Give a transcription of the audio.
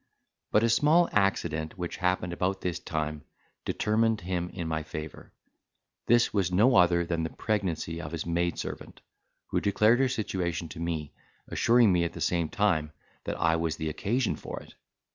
But a small accident, which happened about this time, determined him in my favour. This was no other than the pregnancy of his maidservant, who declared her situation to me, assuring me at the same time that I was the occasion of it.